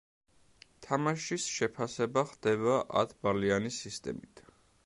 თამაშის შეფასება ხდება ათ ბალიანი სისტემით.